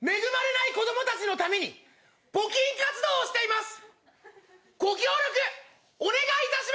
その子たちのために募金活動をしています。